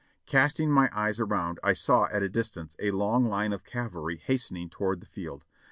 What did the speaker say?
Casting my eyes around I saw at a distance a long line of cavalry hastening toward the field.